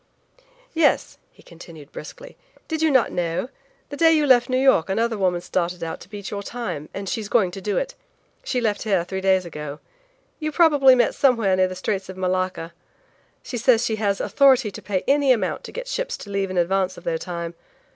"Yes," he continued briskly; "Did you not know? The day you left New York another woman started out to beat your time, and she's going to do it. She left here three days ago. You probably met somewhere near the Straits of Malacca. She says she has authority to pay any amount to get ships to leave in advance of their time.